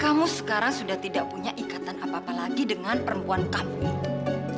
kamu sekarang sudah tidak punya ikatan apa apa lagi dengan perempuan kamu itu